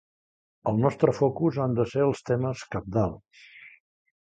El nostre focus han de ser els temes cabdals.